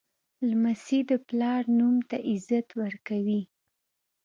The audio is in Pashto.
لمسی د پلار نوم ته عزت ورکوي.